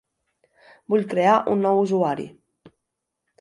Vull crear un nou usuari.